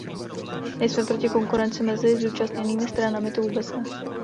Nejsme proti konkurenci mezi zúčastněnými stranami, to vůbec ne.